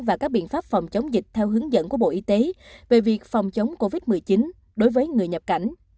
và các biện pháp phòng chống dịch theo hướng dẫn của bộ y tế về việc phòng chống covid một mươi chín đối với người nhập cảnh